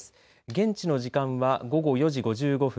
現地の時間は午後４時５５分。